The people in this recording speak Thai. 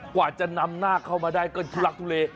กว่าจะนำนากเข้ามาได้ก็จุลักษณ์ทุเร